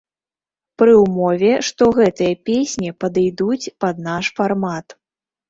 Пры ўмове, што гэтыя песні падыйдуць пад наш фармат.